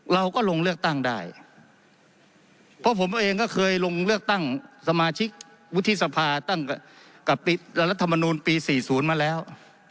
เราก็ลงเลือกตั้งได้เพราะผมเองก็เคยลงเลือกตั้งสมาชิกวุฒิสภาตั้งกับรัฐมนูลปี๔๐มาแล้ว